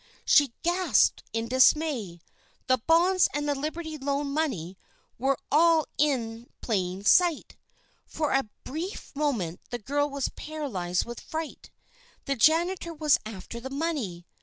She gasped in dismay. The bonds and the Liberty Loan money were all there in plain sight! For a brief moment the girl was paralyzed with fright. The janitor was after the money!